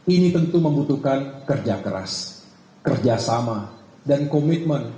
ini tentu membutuhkan kerja keras kerjasama dan komitmen